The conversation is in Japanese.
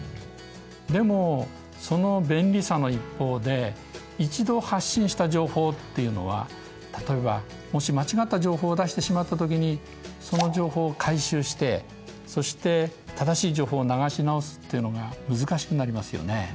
でもその便利さの一方で一度発信した情報っていうのは例えばもし間違った情報を出してしまった時にその情報を回収してそして正しい情報を流し直すっていうのが難しくなりますよね。